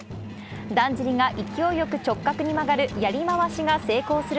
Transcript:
だんじりが勢いよく直角に曲がるやり回しが成功する